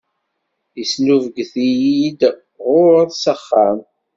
Yesnubget-iyi-d ɣur-s s axxam.